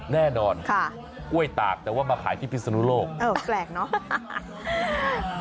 แน่นอนกล้วยตากแต่ว่ามาขายที่พิศนุโลกเออแปลกเนอะ